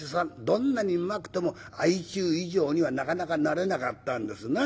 どんなにうまくても相中以上にはなかなかなれなかったんですな。